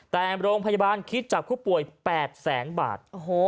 แต่โรงพยาบาลคิดจากผู้ป่วย๘แสนบาท